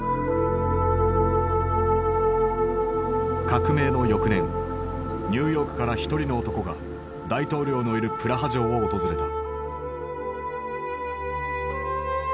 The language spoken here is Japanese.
革命の翌年ニューヨークから一人の男が大統領のいるプラハ城を訪れた。